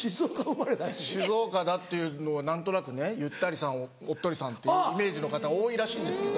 静岡だっていうのは何となくねゆったりさんおっとりさんっていうイメージの方多いらしいんですけど。